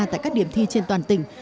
tại các điểm thi trên toàn tỉnh